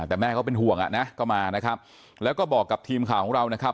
แต่แม่เขาเป็นห่วงอ่ะนะก็มานะครับแล้วก็บอกกับทีมข่าวของเรานะครับ